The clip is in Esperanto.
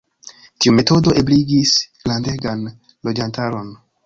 Tiu metodo ebligis grandegan loĝantaron.